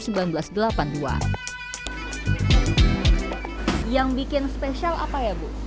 yang bikin spesial apa ya bu